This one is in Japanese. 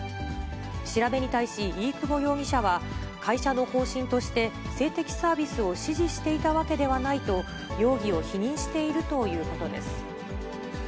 調べに対し、飯窪容疑者は、会社の方針として性的サービスを指示していたわけではないと、容疑を否認しているということです。